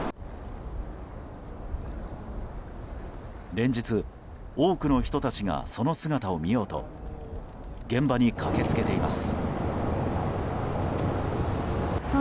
連日、多くの人たちがその姿を見ようと現場に駆けつけています。